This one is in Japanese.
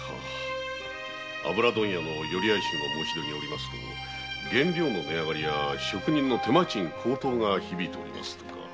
油問屋の寄合衆の申し出によりますと原料の値上がりや職人の手間賃高騰が響いているとか。